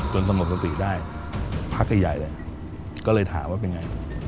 สงบสติได้พักใหญ่เลยก็เลยถามว่าเป็นไง